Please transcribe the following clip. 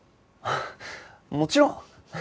ああもちろん！